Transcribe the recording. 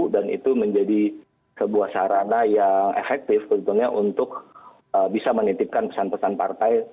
dan itu menjadi sebuah sarana yang efektif untuk bisa menitipkan pesan pesan partai